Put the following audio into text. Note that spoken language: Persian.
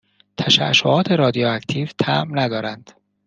تششعات رادیواکتیو طعم ندارند